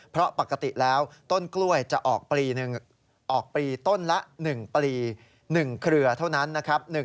เพราะปกติแล้วต้นกล้วยจะออกปลีต้นละ๑ปลี๑เครือเท่านั้นนะครับ